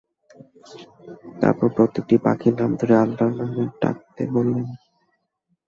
তারপর প্রত্যেকটি পাখির নাম ধরে আল্লাহর নামে ডাকতে বলেন।